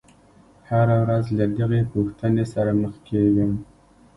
هره ورځ له دغې پوښتنې سره مخ کېږم.